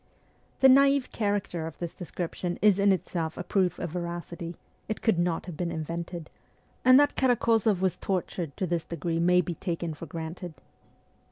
The naive character of this description is in itself a proof of veracity : it could not have been invented ; and that Karakozoff was tortured to this degree may be taken for granted.